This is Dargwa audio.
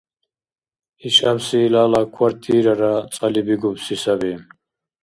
Ишабси илала квартирара цӀали бигубси саби.